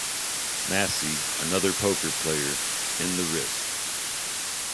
Massie, another poker player, in the wrist.